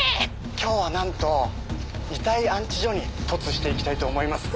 今日はなんと遺体安置所に凸して行きたいと思います。